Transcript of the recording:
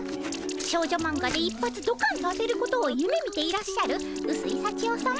少女マンガで一発どかんと当てることをゆめみていらっしゃるうすいさちよさま